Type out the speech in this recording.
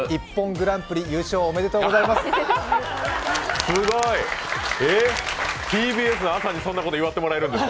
グランプリ優勝おめでとうございます。